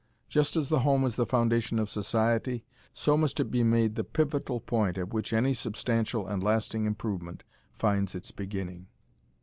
Just as the home is the foundation of society, so must it be made the pivotal point at which any substantial and lasting improvement finds its beginning.